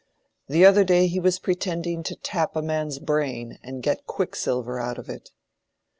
The other day he was pretending to tap a man's brain and get quicksilver out of it."